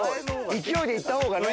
勢いで行ったほうがね。